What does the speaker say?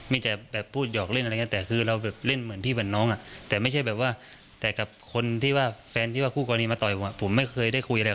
ไม่แต่แบบพูดหยอกเล่นอะไรเงี้ย